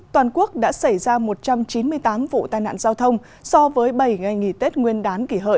toàn quốc đã xảy ra một trăm chín mươi tám vụ tai nạn giao thông so với bảy ngày nghỉ tết nguyên đán kỷ hợi hai nghìn một mươi chín